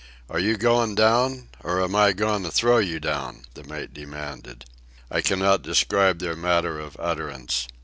"Are you goin' down?—or am I goin' to throw you down?" the mate demanded. I cannot describe their manner of utterance.